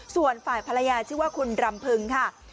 ส่วนฝ่ายภรรยาชื่อว่าคุณรำพึงค่ะ